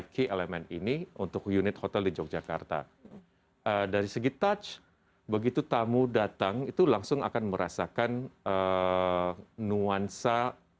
key element ini untuk unit hotel di yogyakarta dari segi touch begitu tamu datang itu langsung akan merasakan nuansa